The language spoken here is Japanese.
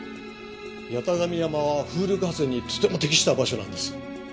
八咫神山は風力発電にとても適した場所なんです。